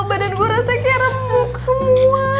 badan gue rasanya kayak remuk semua